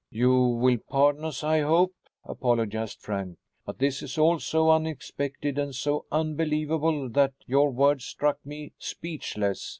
"You will pardon us, I hope," apologized Frank, "but this is all so unexpected and so unbelievable that your words struck me speechless.